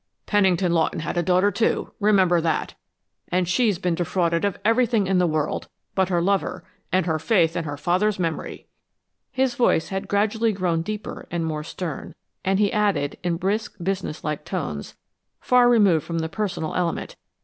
Pennington Lawton had a daughter, too; remember that and she's been defrauded of everything in the world but her lover and her faith in her father's memory." His voice had gradually grown deeper and more stern, and he added in brisk, businesslike tones, far removed from the personal element.